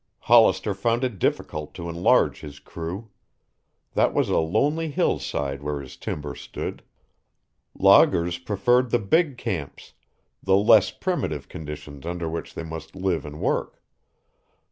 Hollister found it difficult to enlarge his crew. That was a lonely hillside where his timber stood. Loggers preferred the big camps, the less primitive conditions under which they must live and work.